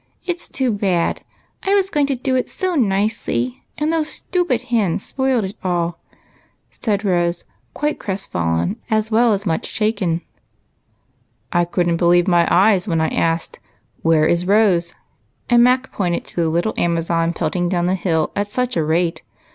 It 's too bad ! I was going to do it so nicely, and those stupid hens spoilt it all," said Rose, quite crest fallen, as well as much shaken. " I could n't believe my eyes when I asked ' Where is Rose ?' and Mac pointed to the little Amazon pelt ing down the hill at such a rate.